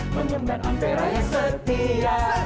menyembah ampera yang setia